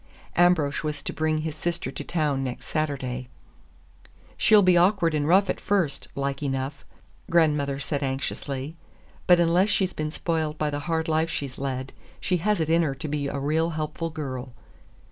Ambrosch was to bring his sister to town next Saturday. "She'll be awkward and rough at first, like enough," grandmother said anxiously, "but unless she's been spoiled by the hard life she's led, she has it in her to be a real helpful girl."